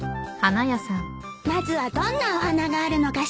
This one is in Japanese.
まずはどんなお花があるのか調べないと